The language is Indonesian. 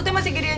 kita bantu dia